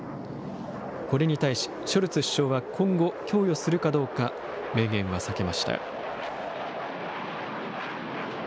これに対し、ショルツ首相は今後、供与するかどうか明言は避けました。